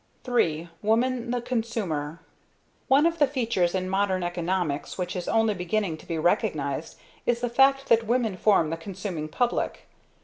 III. Woman, the consumer. One of the features in modern economics which is only beginning to be recognized is the fact that women form the consuming public.